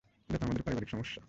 এটাতো আমাদের পারিবারিক সমস্যা।